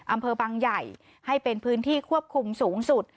อำเภอบางใหญ่ให้เป็นพื้นที่ควบคุมสูงสุด